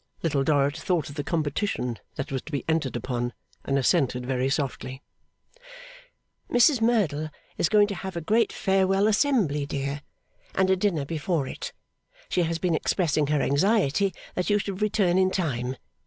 Little Dorrit thought of the competition that was to be entered upon, and assented very softly. 'Mrs Merdle is going to have a great farewell Assembly, dear, and a dinner before it. She has been expressing her anxiety that you should return in time.